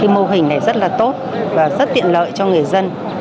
mô hình này rất là tốt và rất tiện lợi cho người dân